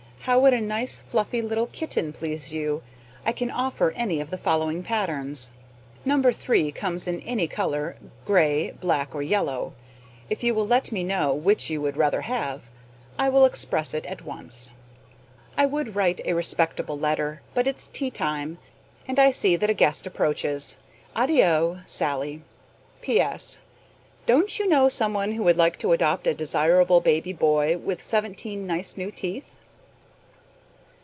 How would a nice fluffy little kitten please you? I can offer any of the following patterns: Number 3 comes in any color, gray, black, or yellow. If you will let me know which you would rather have, I will express it at once. I would write a respectable letter, but it's teatime, and I see that a guest approaches. ADDIO! SALLIE. P.S. Don't you know some one who would like to adopt a desirable baby boy with seventeen nice new teeth?